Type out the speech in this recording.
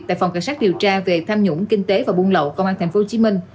tại phòng cảnh sát điều tra về tham nhũng kinh tế và buôn lậu công an tp hcm